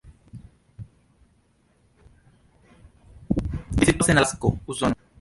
Ĝi situas en Alasko, Usono.